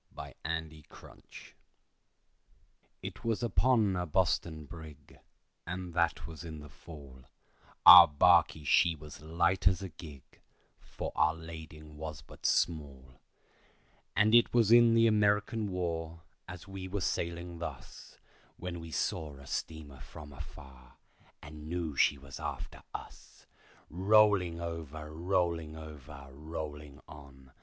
ROLLING OVER It was upon a Boston brig, and that was in the Fall, Our barky she was light as a gig, for our lading was but small; And it was in the American War as we were sailing thus, When we saw a steamer from afar, and knew she was after us. Chorus. Rolling over, rolling over, rolling on.